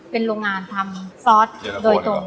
เป็นโรงงานทำซอสโดยตรง